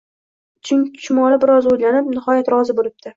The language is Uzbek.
Chumoli biroz o’ylanib, nihoyat, rozi bo’libdi